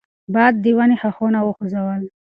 باد د ونې ښاخونه وخوځول.